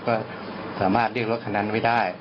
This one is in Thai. ก็สามารถเรียกรถคันนั้นไว้ได้